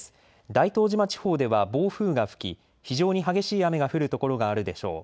大東島地方では暴風が吹き非常に激しい雨が降る所があるでしょう。